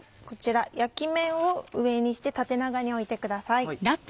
こちら焼き面を上にして縦長に置いてください。